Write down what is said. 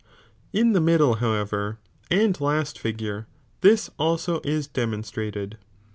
' Ja the middle, however, and last figure, this^ also U demonstrated.